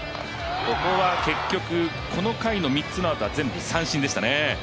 ここは結局、この回の３つのあとは全部三振でしたね。